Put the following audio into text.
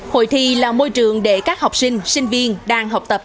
hội thi là môi trường để các học sinh sinh viên đang học tập